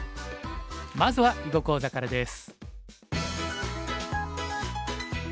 まずは囲碁講座からです。